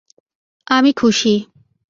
আমি খুশি!